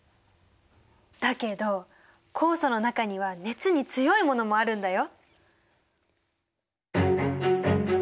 だけど酵素の中には熱に強いものもあるんだよ。